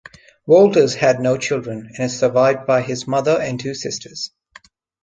Walters had no children, and is survived by his mother and two sisters.